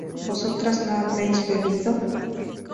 ¿vosotras no habréis bebido?